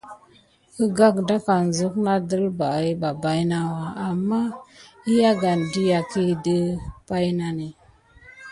Əgagdakane zuk na dəlbahə ɓa baïnawa, amma əyagane dʼəyagkəhi də paynane.